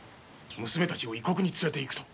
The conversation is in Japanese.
娘達を異国に連れて行くと？